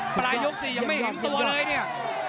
ปลายยก๔ยังไม่เห็นตัวเลยเนี่ย